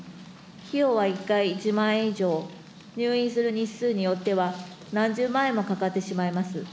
費用は１回１万円以上、入院する日数によっては、何十万円もかかってしまいます。